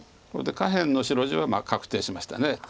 これで下辺の白地は確定しました。